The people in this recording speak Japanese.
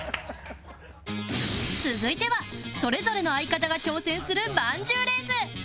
続いてはそれぞれの相方が挑戦するまんじゅうレース